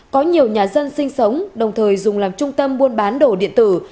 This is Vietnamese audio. có nhiều nhà dân sinh sống đồng thời dùng làm trung tâm buôn bán đồ điện tử